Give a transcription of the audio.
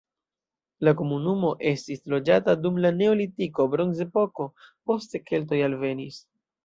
La komunumo estis loĝata dum la neolitiko, bronzepoko, poste keltoj alvenis.